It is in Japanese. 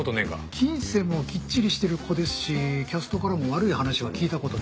金銭もきっちりしてる子ですしキャストからも悪い話は聞いた事ないですね。